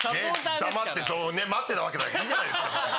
黙って待ってたわけだからいいじゃないですか別に。